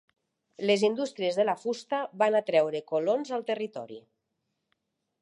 Les indústries de la fusta van atreure colons al territori.